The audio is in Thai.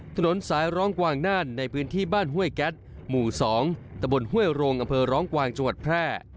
ถนนสายร้องกวางน่านในพื้นที่บ้านห้วยแก๊สหมู่๒ตะบนห้วยโรงอำเภอร้องกวางจังหวัดแพร่